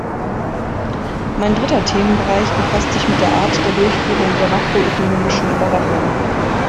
Mein dritter Themenbereich befasst sich mit der Art der Durchführung der makroökonomischen Überwachung.